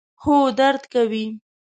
هو، درد کوي